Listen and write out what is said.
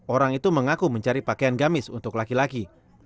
orang itu mengaku mencari pakaian gamis untuk laki laki